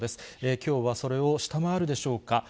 きょうはそれを下回るでしょうか。